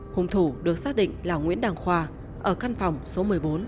hùng thủ được xác định là nguyễn đăng khoa ở căn phòng số một mươi bốn